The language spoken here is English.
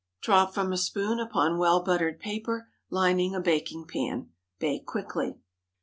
Drop from a spoon upon well buttered paper, lining a baking pan. Bake quickly.